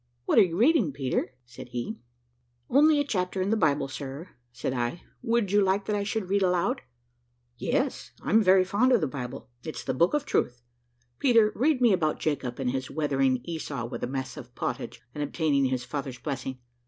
"What are you reading, Peter?" said he. "Only a chapter in the Bible, sir," said I. "Would you like that I should read aloud?" "Yes, I'm very fond of the Bible it's the book of truth. Peter, read me about Jacob, and his weathering Esau with a mess of pottage, and obtaining his father's blessing."